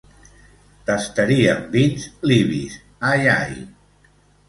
Tastaríem vins libis, ai ai.